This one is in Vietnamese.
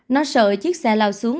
nó sợ chiếc xe lao xuống